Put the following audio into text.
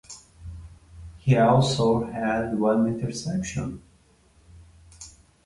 He also had one interception.